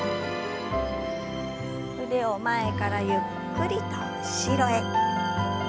腕を前からゆっくりと後ろへ。